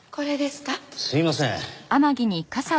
すいません。